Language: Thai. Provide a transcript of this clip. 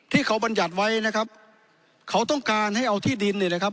บรรยัติไว้นะครับเขาต้องการให้เอาที่ดินเนี่ยนะครับ